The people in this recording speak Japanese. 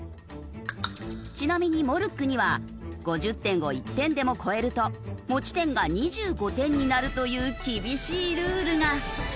ちなみにモルックには５０点を１点でも超えると持ち点が２５点になるという厳しいルールが。